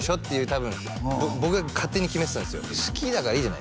多分僕が勝手に決めてたんですよ